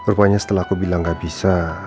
rupanya setelah aku bilang gak bisa